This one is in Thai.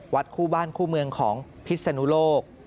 คู่บ้านคู่เมืองของพิศนุโลก